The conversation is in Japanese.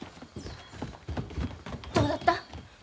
どうだった？